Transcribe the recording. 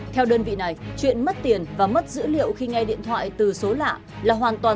theo đơn vị này chuyện mất tiền và mất dữ liệu khi nghe điện thoại từ số lạ là hoàn toàn